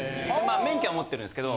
免許は持ってるんですけど。